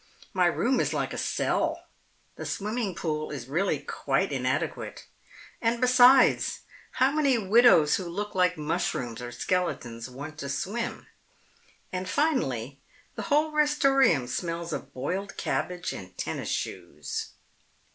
My room is like a cell, the swimming pool is really quite inadequate, and, besides, how many widows who look like mushrooms or skeletons want to swim? And, finally, the whole Restorium smells of boiled cabbage and tennis shoes!"